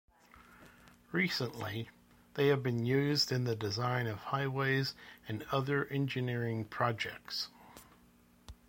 Recently, they have been used in the design of highways and other engineering projects.